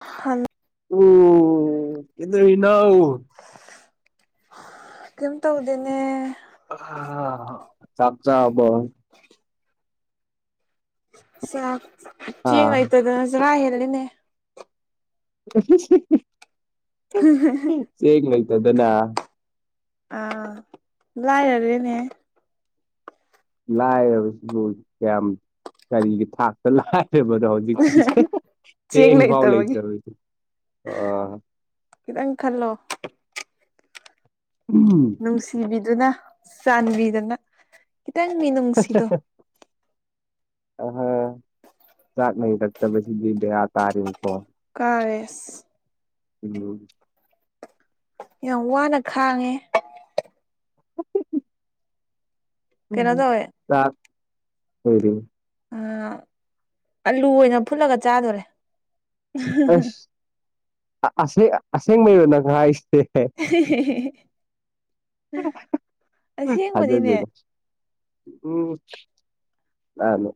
ꯍ꯫ ꯑꯣ ꯀ ꯏꯅꯥꯎ ꯀꯝ ꯇꯧꯗꯦꯅꯦ ꯆꯥꯛ ꯆꯕ ꯆꯥꯛ ꯍꯥ ꯊꯦꯡ ꯂꯩꯣꯏꯇꯗꯅꯖꯔꯥ ꯍꯦꯂꯅꯦ [unintelligible] ꯍ ꯁꯤꯦꯡꯒ ꯂꯣꯏꯇꯗꯅꯥ ꯑꯥ ꯂꯥꯏꯔꯔꯦꯅꯦ ꯂꯥꯏꯕꯁꯤꯕꯨ ꯀꯌꯥꯝ ꯀꯔꯤꯒꯤ ꯊꯥꯛꯇ ꯂꯥꯏꯔꯕꯅꯣ ꯍꯧꯖꯤꯛ ꯆꯦꯡ ꯐꯥꯎ ꯂ ꯂꯩꯇꯕꯒꯤ ꯇꯔ ꯑ ꯈꯤꯇꯪ ꯈꯜꯂꯣ ꯎꯝ ꯅꯨꯡꯁꯤꯕꯤꯗꯨꯅ ꯆꯥꯟꯕꯤꯗꯨꯅ ꯇꯪ ꯃꯤ ꯑ ꯆꯥꯛꯅꯩꯔꯛꯇꯕꯁꯤꯗꯤ ꯗꯌꯥ ꯇꯥꯔꯤꯅꯤꯀꯣ ꯀꯥꯔꯦꯁ ꯎꯝ ꯌꯥꯝ ꯋꯥꯅ ꯈꯥꯡꯉꯦ [unintelligible] ꯀꯩꯅꯣ ꯇꯧꯋꯦ ꯆ ꯑꯣꯏꯗꯤ ꯑꯂꯨ ꯑꯣꯏꯅ ꯐꯨꯠꯂꯒ ꯆꯥꯗꯣꯔꯦ ꯑꯁ ꯑꯁꯦꯡꯕꯩꯔꯣ ꯅꯪꯒꯥꯏ ꯍꯥꯏꯁꯤꯦ ꯊꯗ ꯑꯁꯦꯡꯕꯅꯤꯅꯦ ꯑꯗꯨꯗ ꯎꯝ ꯅꯅ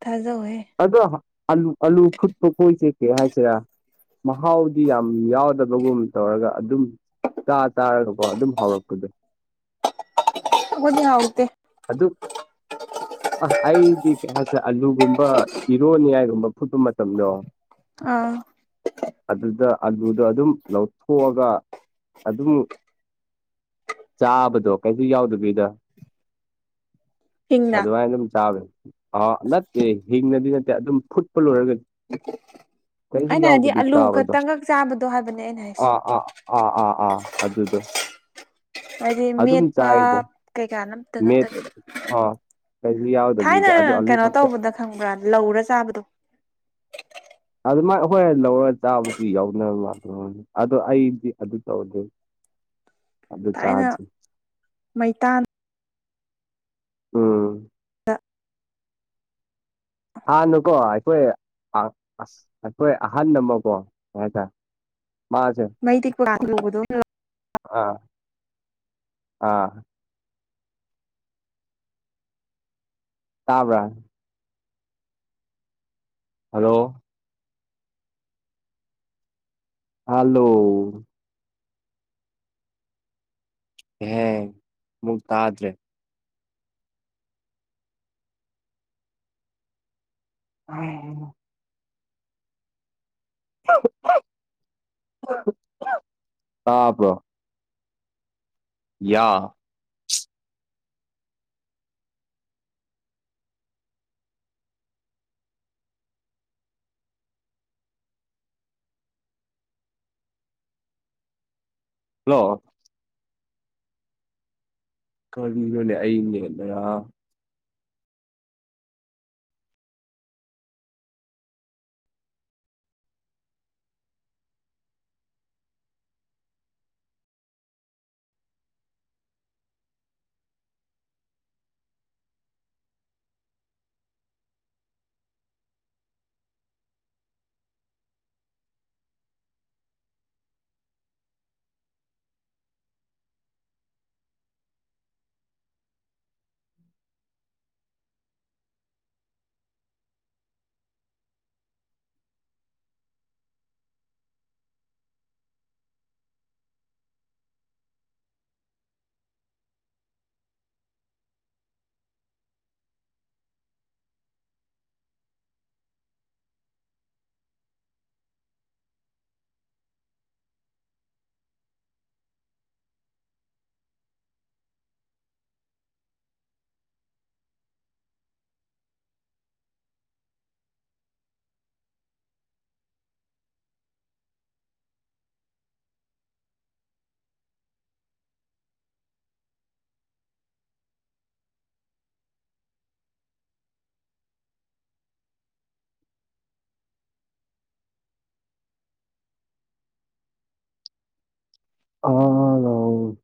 ꯊꯥꯖꯧꯋꯦ ꯑꯗꯣ ꯑꯂꯨ ꯑꯂꯨ ꯐꯨꯠꯄ ꯀꯣꯏꯁꯦ ꯀꯦ ꯍꯥꯏꯁꯤꯔꯥ ꯃꯍꯥꯎꯗꯤ ꯌꯥꯝ ꯌꯥꯎꯗꯕꯒꯨꯝ ꯇꯧꯔꯒ ꯑꯗꯨꯝ ꯇꯥ ꯇꯥꯔꯒꯀꯣ ꯑꯗꯨꯝ ꯍꯧꯥꯎꯔꯛꯄꯗꯣ ꯈꯗꯤ ꯍꯥꯎꯗꯦ ꯑꯗꯨ ꯑ ꯑꯩꯗꯤ ꯀꯩ ꯍꯥꯏꯁꯦ ꯑꯂꯨꯒꯨꯝꯕ ꯏꯔꯣꯅꯤꯌꯥꯏꯒꯨꯝꯕ ꯐꯨꯠꯄ ꯃꯇꯝꯗꯣ ꯑꯥ ꯑꯗꯨꯗ ꯑꯂꯨꯗ ꯑꯗꯨꯝ ꯂꯧꯊꯣꯛꯑꯒ ꯑꯗꯨꯝ ꯆꯥꯕꯗꯣ ꯀꯩꯁꯨ ꯌꯥꯎꯗꯕꯤꯗ ꯍꯤꯡꯅ ꯑꯗꯨꯃꯥꯏꯅ ꯑꯗꯨꯝ ꯆꯥꯕꯅꯤ ꯑ ꯅꯠꯇꯦ ꯍꯤꯡꯅꯗꯤ ꯅꯠꯇꯦ ꯑꯗꯨꯝ ꯐꯨꯠꯄ ꯂꯣꯏꯔꯒꯗꯤ ꯀꯩꯁꯨ ꯑꯩꯅ ꯍꯥꯏꯗꯤ ꯌꯥꯎꯗꯕꯤ ꯑꯂꯨ ꯇꯥꯕꯗꯣ ꯈꯛꯇꯪꯒꯛ ꯆꯥꯕꯗꯣ ꯍꯥꯏꯕꯅꯦ ꯑꯩꯅ ꯍꯥꯏꯁꯦ ꯑꯥ ꯑꯥ ꯑꯥ ꯑꯥ ꯑꯥ ꯑꯗꯨꯗꯣ ꯍꯥꯏꯗꯤ ꯑꯗꯨꯝ ꯃꯦꯠꯄ ꯆꯥꯏꯗ ꯀꯩꯀꯥꯅ ꯃꯦꯠ ꯑꯥ ꯀꯩꯁꯨ ꯊꯥꯏꯅ ꯌꯥꯎꯗꯕꯤꯗ ꯑꯗꯨ ꯑꯂꯨ ꯀꯩꯅꯣ ꯈꯛꯇ ꯇꯧꯕꯗ ꯈꯪꯕ꯭ꯔꯥ ꯂꯧꯔ ꯆꯥꯕꯗꯣ ꯑꯗꯨ ꯃꯥꯏ ꯍꯈꯣꯏ ꯂꯧꯔꯒ ꯆꯥꯕꯗꯨ ꯌꯥꯎꯅꯕ ꯃꯥ ꯑꯗꯣ ꯑꯩꯗꯤ ꯑꯗꯨ ꯇꯧꯔꯅꯤ [unintelligible] ꯑ ꯊꯥꯏꯅ ꯆꯥꯖ ꯃꯩꯇꯥꯟ ꯎꯝ ꯍꯥꯟꯅꯨꯀꯣ ꯑꯩꯈꯣꯏ ꯑ ꯑꯁ ꯑꯈꯣꯏ ꯑꯍꯟ ꯑꯃ ꯀꯣ ꯀ ꯇ ꯃꯩꯇꯩ ꯀ ꯑꯥ ꯑꯥ ꯇꯥꯕ꯭ꯔ ꯍꯜꯂꯣ ꯍꯥꯜꯂꯣ ꯍꯦ ꯃꯨꯛ ꯇꯥꯗ꯭ꯔꯦ ꯎꯝ ꯎ ꯍꯥꯄ꯭ꯔꯣ ꯌꯥ ꯍꯜꯂꯣ ꯀꯔꯤꯅꯣꯅꯦ ꯑꯩꯅꯦꯗ ꯑꯜꯂꯣ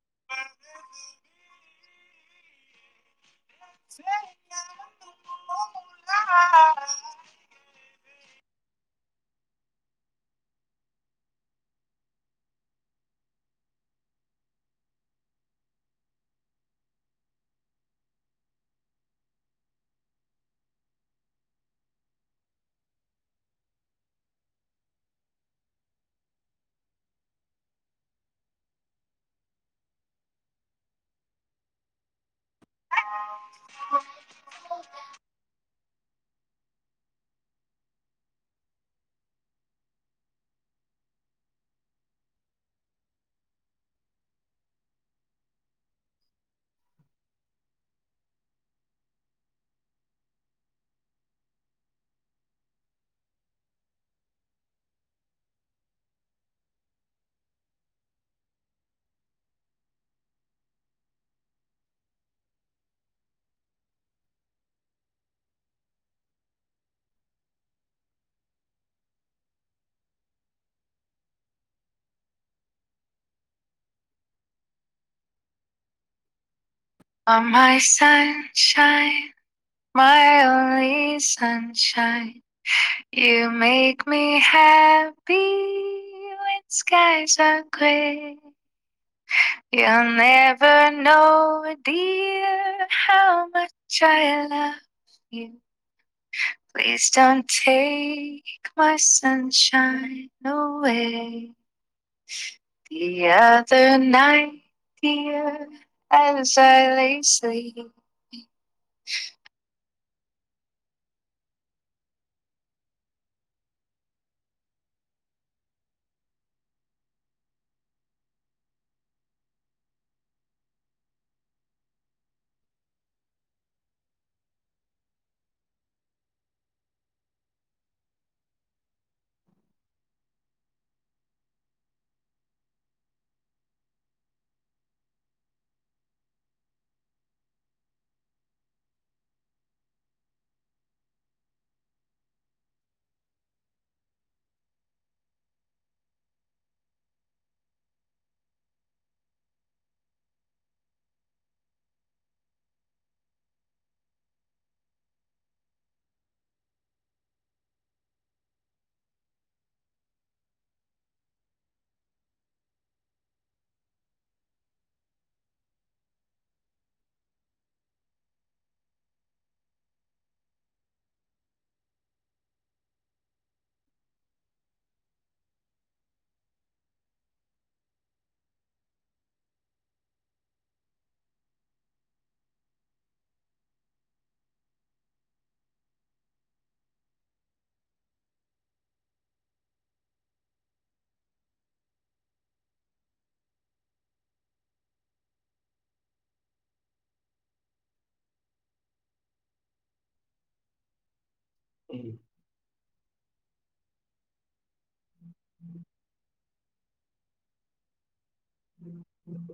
ꯑ [unintelligible] [unintelligible] [unintelligible] [unintelligible] ꯑꯃꯥꯏ sunshine my only sunshine you make me happy when skies are grey you'll never know dear how I trial ꯅ you please don't take my sunshine away ꯊꯌꯥ ꯗꯔ ꯇꯥꯏꯠ ꯊꯌꯥ ꯑꯁꯔꯥꯏꯂꯤꯁ ꯁꯋꯤ [unintelligible] ꯎꯝ ꯎꯝ ꯎꯝ ꯎꯝ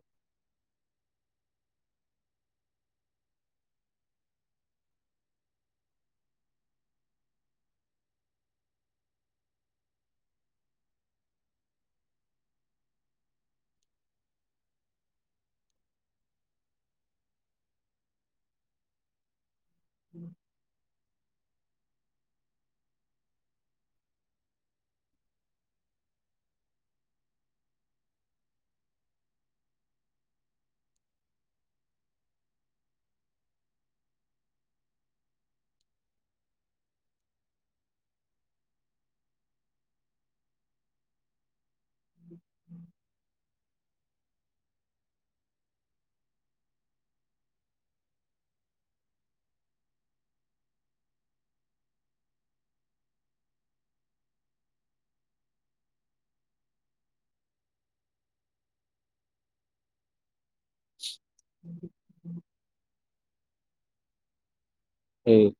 ꯎꯝ ꯎ ꯎꯝ ꯎꯝ꯫ [unintelligible] ꯍꯦ